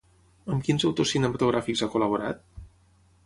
Amb quins autors cinematogràfics ha col·laborat?